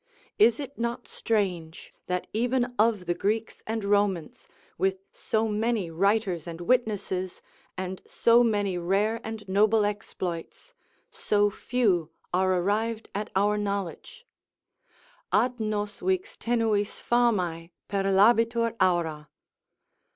Is it not strange that even of the Greeks and Romans, with so many writers and witnesses, and so many rare and noble exploits, so few are arrived at our knowledge: "Ad nos vix tenuis famx perlabitur aura."